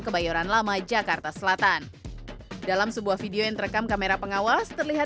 kebayoran lama jakarta selatan dalam sebuah video yang terekam kamera pengawas terlihat